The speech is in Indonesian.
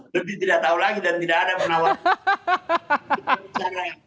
lebih tidak tahu lagi dan tidak ada penawaran